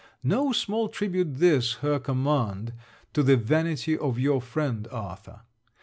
No small tribute this her command to the vanity of your friend, Arthur.